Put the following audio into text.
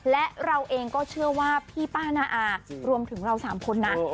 และเราเองก็เชื่อว่าพี่ป้านาอารวมถึงเรา๓คนนะ